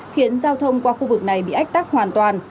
khiến giao thông qua khu vực này bị ách tắc hoàn toàn